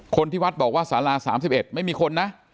คนที่วัดบอกว่าสารา๓๑ไม่มีคนนะ